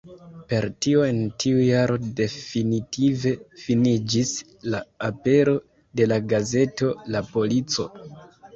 Per tio en tiu jaro definitive finiĝis la apero de la gazeto "La Polico".